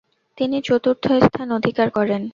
তিনি চতুর্থ স্থান অধিকার করেন।